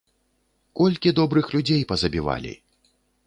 Колькі добрых людзей пазабівалі!